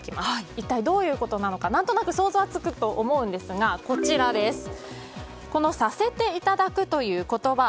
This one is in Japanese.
一体どういうことなのか何となく想像はつくと思うんですがさせていただくという言葉